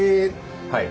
はい。